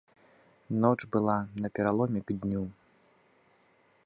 Ноч была на пераломе к дню.